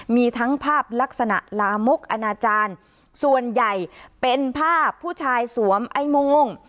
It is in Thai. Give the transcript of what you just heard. มีทั้งภาพลักษณะลามกอนาจารย์ส่วนใหญ่เป็นภาพผู้ชายสวมไอ้โม่ง